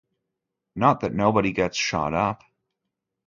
Not that nobody gets shot up.